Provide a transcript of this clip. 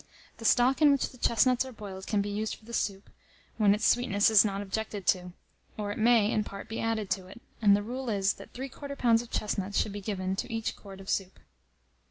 The stock in which the chestnuts are boiled can be used for the soup, when its sweetness is not objected to, or it may, in part, be added to it; and the rule is, that 3/4 lb. of chestnuts should be given to each quart of soup.